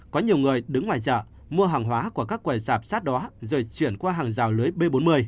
có nhiều người đứng ngoài dạ mua hàng hóa của các quầy sạp sát đó rồi chuyển qua hàng rào lưới b bốn mươi